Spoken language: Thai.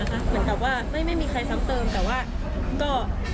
เหมือนกับว่าไม่มีใครซ้ำเติมแต่ว่าก็